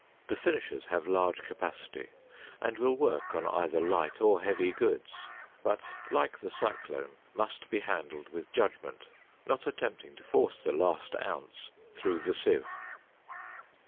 The finishers have large capacity and will work on either light or heavy goods, but like the cyclone, must be handled with judgment, not attempting to force the last ounce through the sieve.